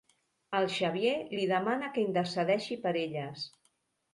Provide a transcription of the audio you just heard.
El Xavier li demana que intercedeixi per elles.